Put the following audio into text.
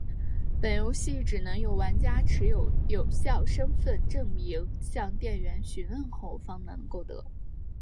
本游戏只能由玩家持有效身份证明向店员询问后方能购得。